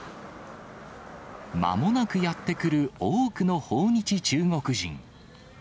まもなくやって来る多くの訪日中国人。